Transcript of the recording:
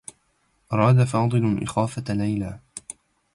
أراد فاضل إخافة ليلى.